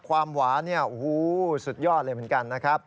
ความหวานสุดยอดเลยเหมือนกันนะครับ